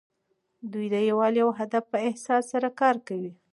دوی د یووالي او هدف په احساس سره کار کوي.